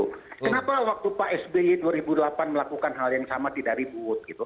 kenapa waktu pak sby dua ribu delapan melakukan hal yang sama tidak ribut gitu